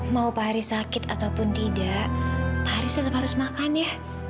mau pak haris sakit ataupun tidak pak haris tetap harus makan ya